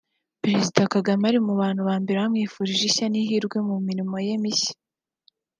Perezida Kagame ari mu ba mbere bamwifurije ishya n’ihirwe mu mirimo ye mishya